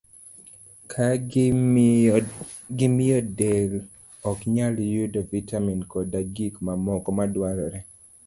ka gimiyo del ok nyal yudo vitamin koda gik mamoko madwarore.